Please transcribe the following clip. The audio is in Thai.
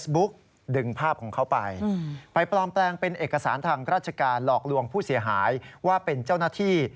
ว่าเป็นเจ้าหน้าที่